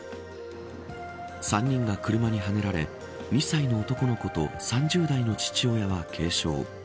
３人が車にはねられ２歳の男の子と３０代の父親は軽傷。